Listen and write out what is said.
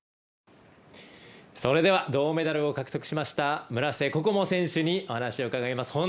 それでは銅メダルを獲得しました村瀬心椛選手にお話を伺います。